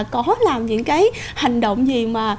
có làm những cái hành động gì mà